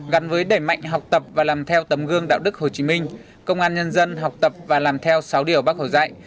gắn với đẩy mạnh học tập và làm theo tấm gương đạo đức hồ chí minh công an nhân dân học tập và làm theo sáu điều bác hồ dạy